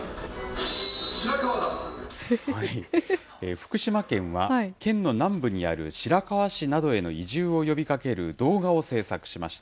福島県は県の南部にある白河市などへの移住を呼びかける動画を制作しました。